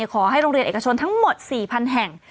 ขอให้โรงเรียนเอกชนทั้งหมด๔๐๐๐แห่ง